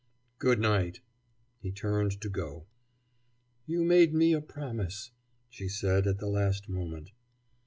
"Good night." He turned to go. "You made me a promise," she said at the last moment.